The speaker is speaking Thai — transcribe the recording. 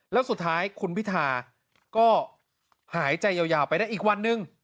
แล้วสุดท้ายคุณพิธาก็หายใจยาวไปได้อีกวันหนึ่ง